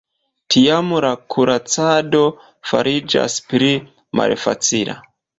Tiam la kuracado fariĝas pli malfacila.